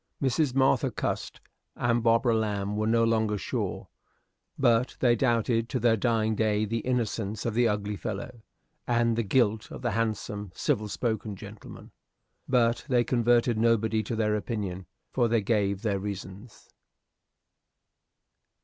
Mrs. Martha Cust and Barbara Lamb were no longer sure, but they doubted to their dying day the innocence of the ugly fellow, and the guilt of the handsome, civil spoken gentleman. But they converted nobody to their opinion; for they gave their reasons.